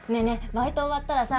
バイト終わったらさ